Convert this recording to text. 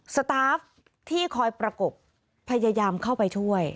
สตาฟที่คอยประกบพยายามเข้าไปช่วย